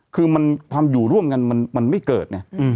คือความอยู่ร่วมกันมันไม่เกิดไง